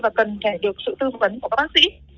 và cần phải được sự tư vấn của các bác sĩ